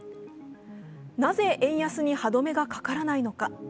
なぜ円安に歯止めがかからないのか。